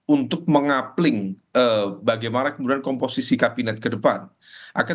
untuk mengapling bagaimana kemudian komposisi kabinet ke depan akan